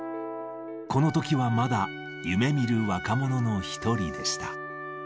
このときはまだ、夢みる若者の一人でした。